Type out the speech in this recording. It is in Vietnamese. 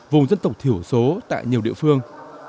vùng dân tộc thiểu số tại nhiều địa phương